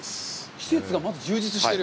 施設がまず充実してる。